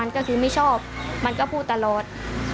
ก็คือไม่ชอบมันก็พูดตลอด